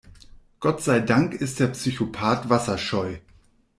Gott sei Dank ist der Psychopath wasserscheu.